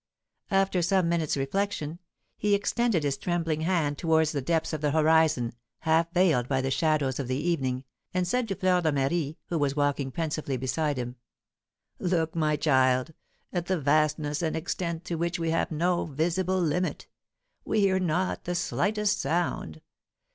After some minutes' reflection, he extended his trembling hand towards the depths of the horizon, half veiled by the shadows of the evening, and said to Fleur de Marie, who was walking pensively beside him: "Look, my child, at the vastness and extent to which we have no visible limit; we hear not the slightest sound.